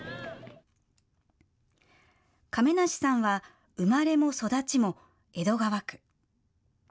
亀梨さんは生まれも育ちも江戸川区。